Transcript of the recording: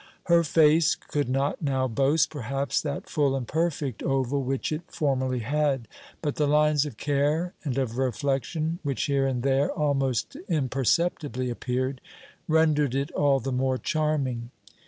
Her face could not now boast, perhaps, that full and perfect oval which it formerly had, but the lines of care and of reflection, which here and there almost imperceptibly appeared, rendered it all the more charming.